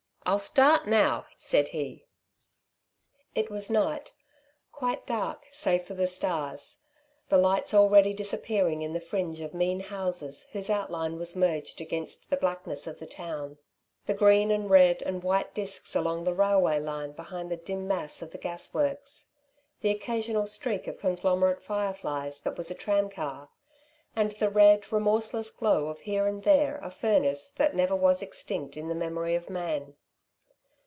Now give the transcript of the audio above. "I'll start now," said he. It was night. Quite dark, save for the stars; the lights already disappearing in the fringe of mean houses whose outline was merged against the blackness of the town; the green and red and white disks along the railway line behind the dim mass of the gasworks; the occasional streak of conglomerate fireflies that was a tramcar; and the red, remorseless glow of here and there a furnace that never was extinct in the memory of man.